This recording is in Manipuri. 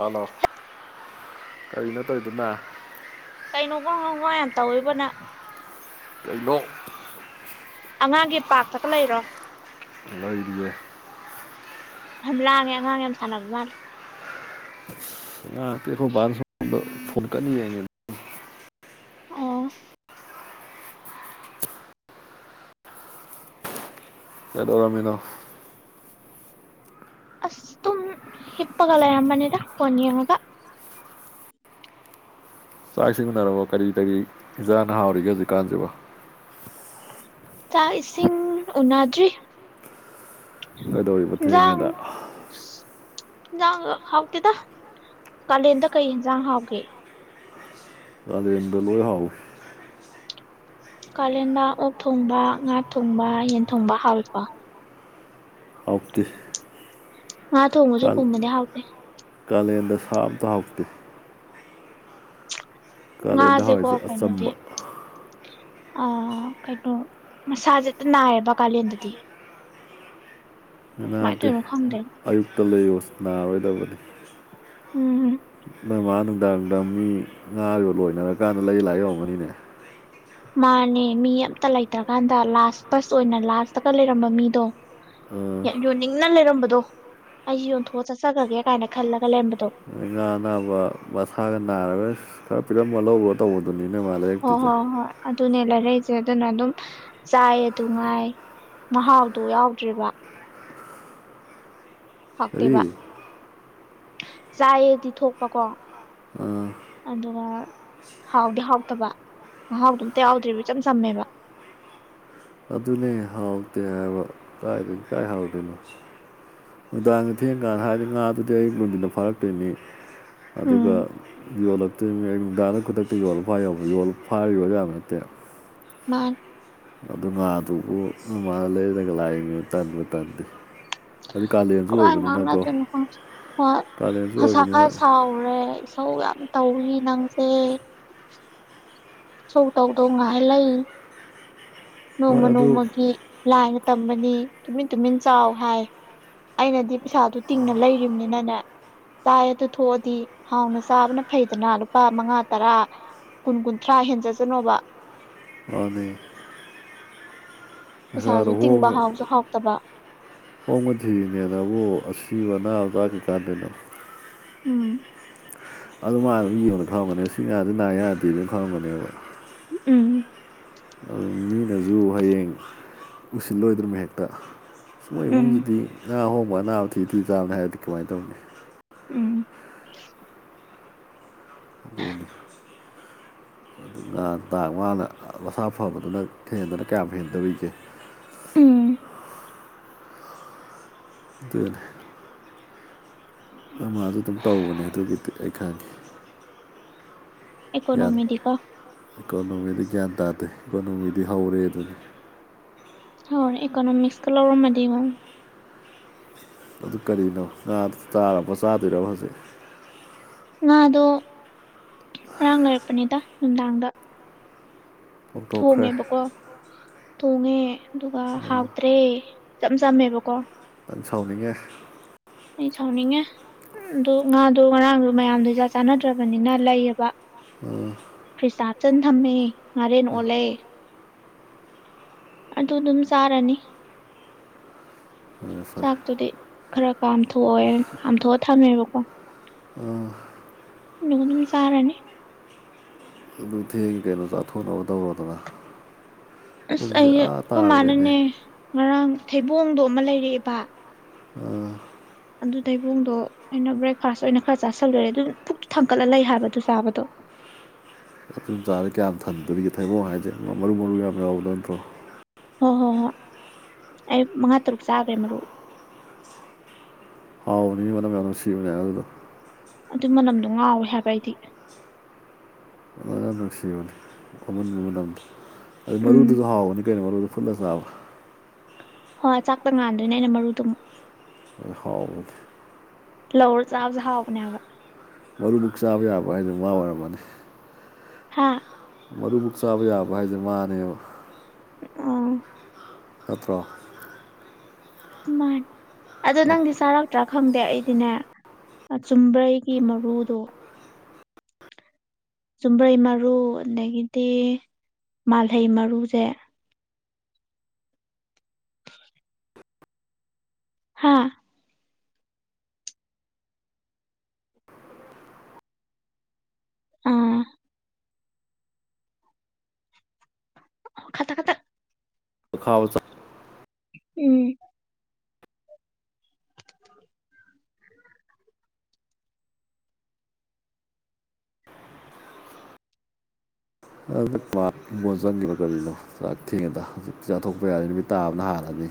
ꯍꯜꯂꯣ ꯀꯔꯤꯅꯣ ꯇꯧꯔꯤꯗꯨꯅ ꯀꯩꯅꯣ ꯍꯪꯒ [unintelligible] ꯌꯥꯝ ꯇꯧꯕꯅ [inaudible] ꯑꯉꯥꯡꯒꯤ ꯄꯥꯔꯇꯀ ꯂꯩꯔꯣ ꯂꯣꯏꯔ [inaudible] ꯌꯥꯝ ꯂꯥꯡꯉꯦ ꯑꯉꯥꯡ ꯌꯥꯝ ꯁꯥꯟꯅꯕ ꯃꯥꯜꯂꯦ [inaudible] ꯀꯟ ꯌꯦꯅꯤ ꯑꯣ ꯀꯗꯧꯔꯃꯤꯅꯣ ꯑꯁ ꯇꯨꯝꯃꯒꯥ ꯍꯤꯞꯄꯒꯂ ꯂꯩꯔꯝꯕꯅꯤꯗ ꯐꯣꯟ ꯌꯦꯉꯒ ꯆꯥꯛ ꯁꯤꯡ ꯎꯟꯅꯔꯕꯣ ꯀꯔꯤ ꯀꯔꯤ ꯏꯟꯖꯥꯡꯅ ꯍꯥꯎꯔꯤꯒꯦ ꯍꯧꯖꯤꯛꯀꯥꯟꯁꯤꯕꯣ ꯆꯥꯛ ꯏꯁꯤꯡ ꯎꯅꯗ꯭ꯔꯤ ꯀꯩꯗꯧꯔꯤꯕ ꯌꯥ ꯊꯦꯡꯉꯦꯗ [inaudible] ꯏꯟꯖꯥꯡ ꯍꯥꯎꯇꯦꯗ ꯀꯥꯂꯦꯟꯗ ꯀꯩ ꯌꯦꯟꯖꯥꯡ ꯍꯥꯎꯒꯦ ꯑꯗꯨꯗ ꯂꯣꯏ ꯍꯥꯎ ꯀꯥꯂꯦꯟꯗ ꯑꯣꯛ ꯊꯣꯡꯕ ꯉꯥ ꯊꯣꯡꯕ ꯌꯦꯟ ꯊꯣꯡꯕ ꯍꯥꯎꯏꯀꯣ ꯍꯥꯎꯇꯦ ꯉꯥ ꯊꯣꯡꯕꯁꯨ ꯀꯥ ꯄꯨꯝꯕꯗꯤ ꯍꯥꯎꯇꯦ ꯀꯥꯂꯦꯟꯗ ꯁꯥ ꯑꯃꯇꯥ ꯍꯥꯎꯇꯦ ꯀꯥꯂꯦꯟꯗ ꯉꯥꯖꯦꯀꯣ ꯍꯥꯎꯔꯤꯁꯦ ꯀꯥꯏꯅꯨꯗꯤ ꯑꯆꯝꯕ ꯑꯥ ꯀꯩꯅꯣ ꯃꯁꯥꯁꯦ ꯅꯥꯏꯌꯦꯕ ꯀꯥꯂꯦꯟꯗꯗꯤ ꯀꯃꯥꯏꯅ ꯅꯥꯗꯦ ꯇꯧꯔꯤꯅꯣ ꯈꯪꯗꯦ ꯑꯌꯨꯛꯇ ꯂꯩꯌꯣ ꯅꯥꯔꯣꯏꯗꯕꯅꯤ ꯎꯝ ꯅꯪ ꯃꯥ ꯅꯨꯡꯗꯥꯡ ꯅꯨꯡꯗꯥꯡ ꯃꯤ ꯉꯣ ꯂꯣꯏꯅꯔꯀꯥꯟꯗ ꯂꯩ ꯂꯥꯏ ꯑꯣꯏꯔꯝꯅꯤꯅꯦ ꯃꯥꯅꯦ ꯃꯤ ꯑꯝꯇ ꯂꯩꯇ꯭ꯔꯀꯥꯟꯗ ꯂꯥꯁ ꯐꯁ ꯑꯣꯏꯅ ꯂꯥꯁꯇꯒ ꯂꯩꯔꯝꯕ ꯃꯤꯗꯣ ꯌꯥꯝ ꯌꯣꯟꯅꯤꯡꯅ ꯂꯩꯔꯝꯕꯗꯣ ꯑꯩꯁꯦ ꯌꯣꯟꯊꯣꯛꯑ ꯆꯠꯆꯈꯒꯦ ꯀꯥꯏꯅ ꯈꯜꯂꯒ ꯂꯩꯔꯝꯕꯗꯣ ꯉꯥ ꯑꯅꯥꯕ ꯃꯁꯥꯒ ꯅꯥꯔꯒ ꯈꯔ ꯄꯤꯔꯝꯕ ꯂꯧꯕ ꯇꯧꯕꯗꯨꯅꯤꯅ ꯃꯥꯜꯂꯦ ꯍꯣꯏ ꯍꯣꯏ ꯍꯣꯏ ꯑꯗꯨꯅꯦ ꯂꯩꯔꯛꯏꯁꯦ ꯑꯗꯨꯅ ꯑꯗꯨꯝ ꯆꯥꯏ ꯑꯗꯨ ꯉꯥꯏ ꯃꯍꯥꯎꯗꯨ ꯌꯥꯎꯗ꯭ꯔꯤꯕ ꯀꯔꯤ ꯍꯇꯦꯕ ꯆꯥꯏꯌꯦꯗꯤ ꯊꯣꯛꯄꯀꯣ ꯑꯗꯨꯒ ꯍꯥꯎꯗꯤ ꯍꯥꯎꯇꯕ ꯃꯍꯥꯎꯗꯣ ꯑꯝꯇ ꯌꯥꯎꯗ꯭ꯔꯤꯕ ꯏꯆꯝ ꯆꯝꯃꯦꯕ ꯑꯗꯨꯅꯦ ꯍꯥꯎꯇꯦ ꯍꯥꯏꯕ ꯀꯥꯏꯗꯩ ꯀꯥꯏ ꯍꯥꯎꯗꯣꯏꯅꯣ ꯅꯨꯡꯗꯥꯡꯗ ꯊꯦꯡꯀꯥꯟꯗ ꯍꯥꯏꯔꯗꯤ ꯉꯥꯗꯨꯗꯤ ꯑꯌꯛ ꯅꯨꯡꯊꯟꯅ ꯐꯥꯔꯛꯇꯣꯏꯅꯤ ꯎꯝ ꯑꯗꯨꯒ ꯌꯣꯜꯂꯛꯇꯣꯏꯅꯤ ꯑꯩ ꯅꯨꯡꯗꯥꯡꯗ ꯈꯨꯗꯛꯇ ꯌꯣꯜꯂꯒ ꯐꯥꯏ ꯌꯧꯕ ꯌꯣ ꯐꯥꯔ ꯌꯣꯕ ꯌꯥꯕ ꯅꯠꯇꯦ ꯃꯥ ꯑꯗꯨ ꯉꯥꯗꯨꯕꯨ ꯑꯗꯨꯃꯅ ꯂꯩꯔꯒ ꯂꯥꯛꯏꯅꯤ ꯇꯟꯕꯨ ꯇꯟꯗꯦ ꯑꯗꯨ ꯀꯥꯂꯦꯟꯁꯨ ꯀꯃꯏ ꯑꯣꯏꯕꯅꯤꯅꯀꯣ ꯉꯥꯡꯅꯗꯣꯏꯅꯣ ꯈꯪꯗꯦ ꯀꯥꯂꯦꯟꯁꯨ ꯉꯁꯥꯏ ꯑꯣꯏꯕꯅꯤꯅ ꯈꯔꯥ ꯁꯧꯔꯨꯔꯦ ꯊꯧ ꯌꯥꯝ ꯇꯧꯏ ꯅꯪꯁꯦ [unintelligible] ꯍꯣꯏ ꯅꯣꯡꯃ ꯑꯗꯨ ꯅꯣꯡꯃꯒꯤ ꯂꯥꯏꯅ ꯇꯝ ꯕꯥꯥ ꯅꯤ ꯇꯨꯃꯤꯟ ꯇꯨꯃꯤꯟ ꯆꯥꯎ ꯍꯥꯏ ꯑꯩꯅꯗꯤ ꯄꯩꯁꯥꯗꯨ ꯇꯤꯡꯅ ꯂꯩꯔꯤꯕꯅꯤꯅꯅꯦ ꯆꯥꯏ ꯑꯗꯨ ꯊꯣꯛꯑꯗꯤ ꯍꯥꯎꯅ ꯆꯥꯕꯅ ꯐꯩꯗꯅ ꯂꯨꯄꯥ ꯃꯉꯥ ꯇꯔꯥ ꯀꯨꯟ ꯀꯨꯟꯊ꯭ꯔꯥ ꯍꯦꯟꯖ ꯖꯅꯣꯕ ꯃꯟꯅꯦ ꯄꯩꯁꯥꯗꯣ ꯄꯩꯁꯥꯖꯨ ꯇꯤꯡꯕ ꯍꯣꯡꯅ ꯍꯥꯎꯁꯨ ꯍꯥꯎꯇꯕ ꯍꯣꯡꯕ ꯊꯤꯔꯤꯅꯦꯅꯕꯨ ꯑꯁꯤꯕ ꯑꯅꯥꯕ ꯂꯥꯛꯈꯤ ꯀꯥꯟꯗꯅ ꯎꯝ ꯑꯗꯨ ꯃꯥ ꯑꯗꯨꯝ ꯌꯦꯡꯕ ꯊꯝꯔꯝꯒꯅꯦ ꯁꯤ ꯁꯦ ꯅꯥ ꯌꯥꯗꯦꯗꯅ ꯊꯪꯔꯝꯒꯅꯦꯕ ꯎꯝ ꯑꯗꯨ ꯃꯤꯅꯁꯨ ꯍꯌꯦꯡ ꯎꯁꯤꯜꯂꯣꯏꯗ꯭ꯔꯃ ꯍꯦꯛꯇ ꯃꯣꯏ ꯎꯝ ꯏꯃꯨꯡꯁꯤꯗꯤ ꯉꯥ ꯑꯍꯣꯡꯕ ꯑꯅꯥꯕ ꯊꯤ ꯑꯗꯨ ꯆꯥꯕꯅꯤ ꯍꯥꯏꯔꯗꯤ ꯀꯃꯥꯏꯅ ꯇꯧꯅꯤ ꯎꯝ ꯑꯗꯨ ꯅꯦ ꯑꯗꯨ ꯇꯥꯡ ꯃꯥꯅ ꯃꯁꯥ ꯐꯕꯗꯨꯅ ꯍꯦꯟꯗꯅ ꯀꯌꯥꯝ ꯍꯦꯟꯗꯧꯔꯤꯒꯦ ꯎꯝ ꯑꯗꯨ ꯃꯖꯨ ꯑꯗꯨ ꯑꯗꯨꯝ ꯇꯧꯕꯅꯦ ꯑꯗꯨꯒꯤꯗꯤ ꯑꯩ ꯈꯪꯉꯦ ꯒ꯭ꯌꯥꯟ ꯏꯀꯣꯅꯣꯃꯤꯗꯤ ꯀꯣ ꯏꯀꯣꯅꯣꯃꯤꯗꯤ ꯒ꯭ꯌꯥꯟ ꯇꯥꯗꯦ ꯏꯀꯣꯅꯣꯃꯤꯗꯤ ꯍꯧꯔꯦ ꯑꯗꯨꯅꯤ ꯍꯔ ꯑꯦꯀꯣꯅꯃꯤꯛꯁ ꯀ ꯂ ꯂꯧꯔ ꯃꯗꯤ ꯀꯣ ꯑꯗꯨ ꯀꯔꯤꯅꯣ ꯉꯥ ꯆꯔꯥꯕꯣ ꯆꯥꯗꯣꯏꯔꯕ ꯍꯧꯖꯤꯛ ꯉꯥꯗꯣ ꯉꯔꯥꯡ ꯂꯩꯔꯛꯄꯅꯤꯗ ꯅꯨꯡꯗꯥꯡꯗ ꯍꯧꯗꯣꯛꯈ꯭ꯔꯦ ꯊꯣꯡꯉꯦꯕꯀꯣ ꯊꯣꯡꯉꯦ ꯑꯗꯨꯒ ꯍꯥꯎꯇ꯭ꯔꯦ ꯆꯆꯝ ꯆꯝꯃꯦꯕꯀꯣ ꯅꯪ ꯁꯥꯎꯅꯤꯡꯉꯦ ꯑꯩ ꯁꯥꯎꯅꯤꯡꯉꯦ ꯎ ꯑꯗꯨ ꯉꯥꯗꯣ ꯉꯔꯥꯡꯗꯣ ꯃꯌꯥꯝꯗꯣ ꯆꯥꯛ ꯆꯥꯟꯅꯗ꯭ꯔꯕꯅꯤꯅ ꯂꯩꯌꯦꯕ ꯎꯝ ꯐꯤꯁꯤꯁꯥ ꯆꯟ ꯊꯝꯃꯤ ꯉꯥꯔꯦꯟ ꯑꯣꯜꯂꯦ ꯑꯗꯨ ꯗꯨꯝ ꯆꯥꯔꯅꯤ [inaudible] ꯆꯥꯛꯇꯨꯗꯤ ꯈꯔ ꯀꯥꯝꯊꯣꯛꯑꯣꯏ ꯀꯥꯝꯊꯣꯛꯑ ꯊꯝꯃꯦꯕꯀꯣ ꯑ ꯅ ꯑꯗꯨꯝ ꯆꯥꯔꯅꯤ ꯑꯗꯨ ꯊꯦꯡ ꯀꯩꯅꯣ ꯆꯥꯊꯣꯛꯅꯕ ꯇꯧꯔꯣ ꯗꯅ ꯑꯁ ꯑꯩ ꯑꯩꯈꯣꯏ ꯇꯥꯈ꯭ꯔꯦꯅꯦ ꯃꯥꯅꯅꯦ ꯉꯔꯥꯡ ꯊꯩꯕꯣꯡꯗꯣ ꯑꯃ ꯂꯩꯔꯛꯑꯦꯕ ꯑꯗꯨ ꯇꯩꯕꯣꯡꯗꯣ ꯑꯩꯅ ꯕ꯭ꯔꯦꯛꯐꯥꯁ ꯑꯣꯏꯅ ꯈꯔ ꯆꯥꯥꯁꯜꯂꯨꯔꯦ ꯑꯗꯨ ꯄꯨꯛ ꯊꯥꯡꯀꯠꯂ ꯂꯩ ꯍꯥꯏꯕꯗꯨ ꯆꯥꯕꯗꯣ ꯃꯤꯟ ꯆꯥꯔ ꯀꯌꯥꯝ ꯊꯟꯗꯣꯏꯒꯦ ꯊꯩꯕꯣꯡ ꯍꯥꯏꯁꯦ ꯃꯔꯨ ꯃꯔꯨ ꯌꯥꯝ ꯌꯥꯎꯕꯗ ꯅꯠꯇ꯭ꯔꯣ ꯍꯣꯏ ꯍꯣꯏ ꯍꯣꯏ ꯑꯩ ꯃꯉꯥ ꯇꯔꯨꯛ ꯆꯥꯈ꯭ꯔꯦ ꯃꯔꯨ ꯍꯥꯎ ꯅꯨꯡꯁꯤꯕꯅꯦ ꯑꯗꯨꯗꯣ ꯑꯗꯨ ꯃꯅꯝꯗꯣ ꯉꯥꯎꯋꯦ ꯍꯥꯏꯕ ꯑꯩꯗꯤ ꯐꯖꯅ ꯅꯨꯡꯁꯤꯕꯅꯤ ꯐꯃꯟꯕ ꯃꯗꯣ ꯑꯗꯨꯗꯩ ꯎꯝ ꯃꯔꯨꯗꯨꯁꯨ ꯍꯥꯎꯒꯅꯤ ꯀꯩꯅꯣ ꯃꯔꯨꯗꯨ ꯐꯨꯠ ꯂ ꯒꯥ ꯆꯥꯕ ꯍꯣꯏ ꯆꯥꯛꯄ ꯉꯥꯟꯗꯣꯏꯅꯦ ꯑꯩꯅ ꯃꯔꯨꯗꯨꯃꯨꯛ ꯍꯥꯎ ꯂꯧꯔ ꯆꯥꯕꯁꯦ ꯍꯥꯥꯎꯕꯅꯦ ꯌꯥꯝ ꯃꯔꯨ ꯃꯨꯛ ꯆꯥꯕ ꯌꯥꯕ ꯍꯥꯏꯗꯨꯅ ꯃꯥ ꯑꯣꯏꯔꯝꯃꯅꯤ ꯍꯥꯥ ꯃꯔꯨ ꯃꯛ ꯆꯥꯕ ꯌꯥꯕ ꯍꯥꯏꯁꯦ ꯃꯥꯅꯦꯕ ꯑꯣ ꯅꯠꯇ꯭ꯔꯣ ꯃꯥꯅꯤ ꯑꯗ ꯅꯪꯗꯤ ꯆꯥꯔꯛꯇ꯭ꯔꯥ ꯈꯪꯗꯦ ꯑꯩꯗꯤꯅꯦ ꯆꯨꯝꯕ꯭ꯔꯩꯒꯤ ꯃꯔꯨꯗꯣ ꯆꯨꯝꯕ꯭ꯔꯩ ꯃꯔꯨ ꯑꯗꯒꯤꯗꯤ ꯃꯥꯜꯍꯩ ꯃꯔꯨꯁꯦ ꯍꯥꯥ ꯑꯥ ꯈꯥ ꯇꯥꯛ ꯈꯥꯇꯥꯛ ꯈꯥꯎ [inaudible] ꯎꯝ ꯑ ꯃꯣꯖꯥꯡꯒꯤꯔ ꯀꯔꯤꯅꯣ ꯆꯥꯛ ꯊꯦꯡꯉꯗ ꯍꯧꯖꯤꯛꯇꯤ ꯆꯥꯊꯣꯛꯄ ꯌꯥꯔꯅꯤ ꯅꯨꯃꯤ ꯇꯥꯕꯅ ꯍꯥꯜꯂꯅꯤ